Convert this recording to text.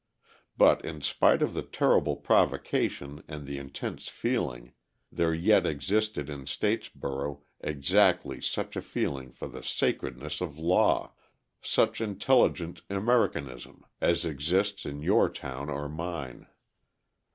But in spite of the terrible provocation and the intense feeling, there yet existed in Statesboro exactly such a feeling for the sacredness of law, such intelligent Americanism, as exists in your town or mine.